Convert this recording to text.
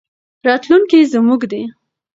راتلونکی زموږ دی.